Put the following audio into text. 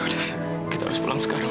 ya yaudah kita harus pulang sekarang